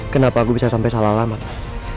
kenapa aku bisa sampai salah lama bang